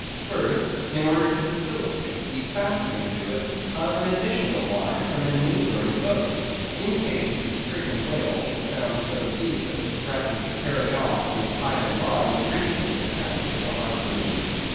First: In order to facilitate the fastening to it of an additional line from a neighboring boat, in case the stricken whale should sound so deep as to threaten to carry off the entire line originally attached to the harpoon.